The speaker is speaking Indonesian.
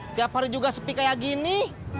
tiap hari juga sepi kayak gini